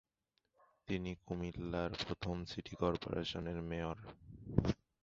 তিনি কুমিল্লার প্রথম সিটি কর্পোরেশনের মেয়র।